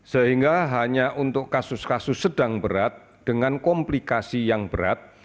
sehingga hanya untuk kasus kasus sedang berat dengan komplikasi yang berat